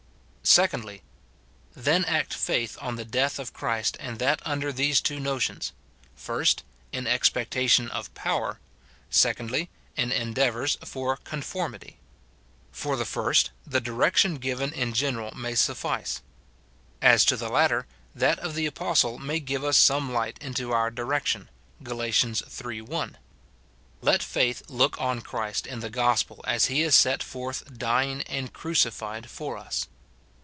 Secondly, Then act faith on the death of Christ, and ^that under these two notions, — first, In expectation of power ; secondly. In endeavours for conformity.'*' For the first, the direction given in general may suffice ; as to the latter, that of the apostle may give us some light * Phil. iii. 10 ; Col. iii. 3 ; 1 Pet. i. 18, 19. 304 MORTIFICATION OP into our direction, Gal. iii. 1. Let faith look on Christ in the gospel as he is set _forth dying and crucified for us.